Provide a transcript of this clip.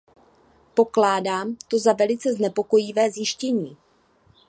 Pokládám to za velice znepokojivé zjištění.